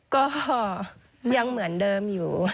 ก็ยังเหมือนเดิมอยู่